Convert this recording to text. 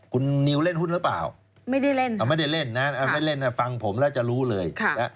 คุณนิวเล่นหุ้นหรือเปล่าไม่ได้เล่นไม่ได้เล่นนะไม่เล่นนะฟังผมแล้วจะรู้เลย